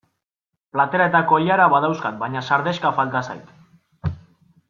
Platera eta koilara badauzkat baina sardexka falta zait.